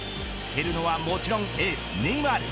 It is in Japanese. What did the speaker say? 蹴るのはもちろんエースネイマール。